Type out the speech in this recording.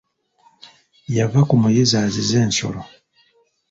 Yava ku muyizzi azize ensolo.